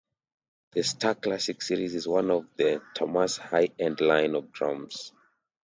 The Starclassic series is one of Tama's high-end line of drums.